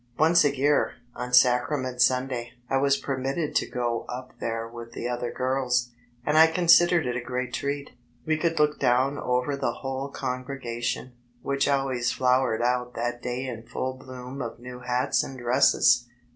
Once a year, on Sacrament Sunday, I was permitted to go up there with the other girls, and I considered it a great treat. We could look down over the whole congregation, which always flowered out that day in full bloom of new hats and dresses.